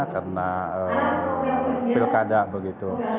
karena pilkada begitu